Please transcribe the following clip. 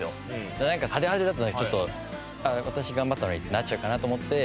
だからなんか派手派手だとなんかちょっと私頑張ったのにってなっちゃうかなと思って。